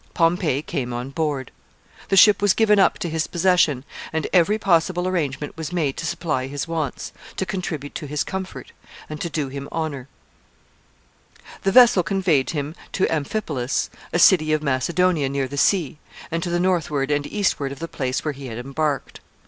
Pompey came on board. The ship was given up to his possession, and every possible arrangement was made to supply his wants, to contribute to his comfort, and to do him honor. [Sidenote: His arrival at Amphipolis.] The vessel conveyed him to Amphipolis, a city of Macedonia near the sea, and to the northward and eastward of the place where he had embarked.